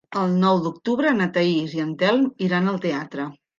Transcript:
El nou d'octubre na Thaís i en Telm iran al teatre.